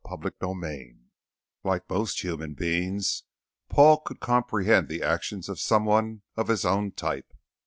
CHAPTER 14 Like most human beings, Paul could comprehend the actions of someone of his own type.